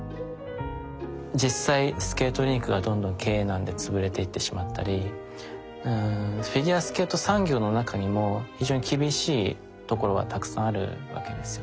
実際スケートリンクがどんどん経営難で潰れていってしまったりフィギュアスケート産業の中にも非常に厳しいところはたくさんあるわけですよ。